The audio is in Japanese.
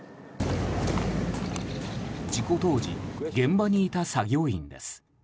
事故当時現場にいた作業員です。